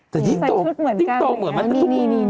แต่ยิ่งโตเหมือนมัน